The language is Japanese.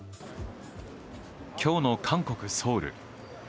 今日の韓国・ソウル。